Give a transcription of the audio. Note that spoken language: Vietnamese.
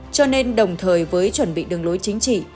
cho nên đồng thời với chuẩn bị đường lối chính trị